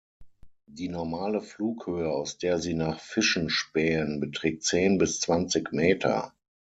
Die normale Flughöhe, aus der sie nach Fischen spähen, beträgt zehn bis zwanzig Meter.